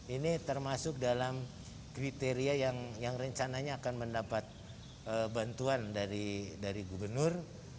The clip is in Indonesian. ini termasuk dalam kriteria yang rencananya akan mendapat bantuan dari gubernur